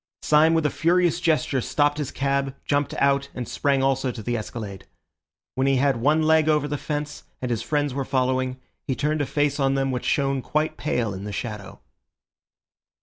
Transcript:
Syme with a furious gesture stopped his cab, jumped out, and sprang also to the escalade. When he had one leg over the fence and his friends were following, he turned a face on them which shone quite pale in the shadow.